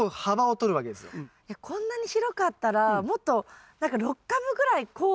いやこんなに広かったらもっと何か６株ぐらいこう。